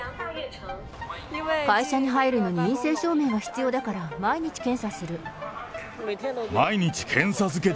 会社に入るのに陰性証明が必要だから、毎日検査する。